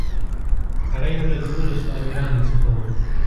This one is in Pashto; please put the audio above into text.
هغه یو له دولسو امیرانو څخه و.